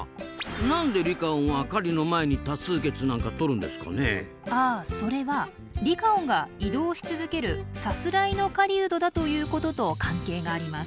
何でリカオンはそれはリカオンが移動し続けるさすらいの狩人だということと関係があります。